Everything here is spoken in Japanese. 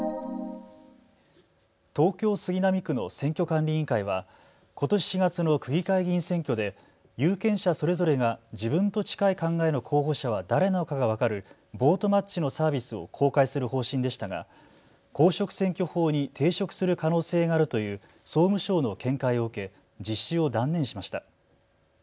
東京杉並区の選挙管理委員会はことし４月の区議会議員選挙で有権者それぞれが自分と近い考えの候補者は誰なのかが分かるボートマッチのサービスを公開する方針でしたが公職選挙法に抵触する可能性があるという総務省の見解を受け実施を断念しました。